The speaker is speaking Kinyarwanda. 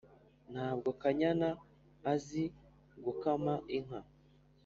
ntabwo kanyana azi gukama inka